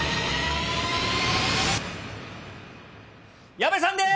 矢部さんでーす。